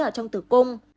ở trong tử cung